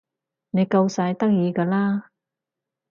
你夠晒得意㗎啦